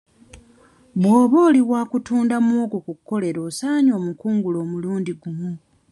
Bw'oba oli wa kutunda muwogo ku kkolero osaanye omukungule omulundi gumu.